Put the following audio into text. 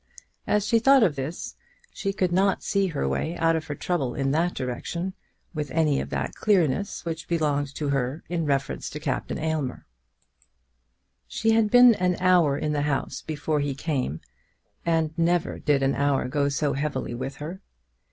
As she thought of this, she could not see her way out of her trouble in that direction with any of that clearness which belonged to her in reference to Captain Aylmer. She had been an hour in the house before he came, and never did an hour go so heavily with her.